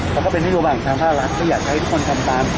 แล้วก็เป็นธุรกิจข้างภาครักษ์ที่อยากให้ทุกคนทำตาม